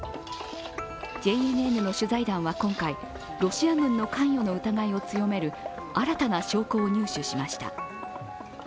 ＪＮＮの取材団は今回、ロシア軍の関与の疑いを強める新たな証拠を入手しました。